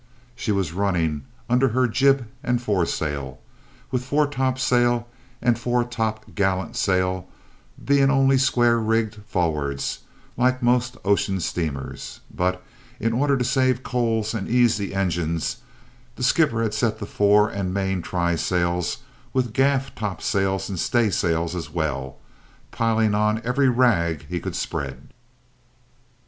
She was running under her jib and foresail, with fore topsail and fore topgallantsail, being only square rigged forwards, like most ocean steamers; but, in order to save coals and ease the engines, the skipper had set the fore and main trysails with gaff topsails and staysails as well, piling on every rag he could spread.